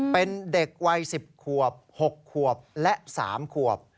เป็นเด็กวัย๑๐ขวบ๖ขวบและ๓ขวบ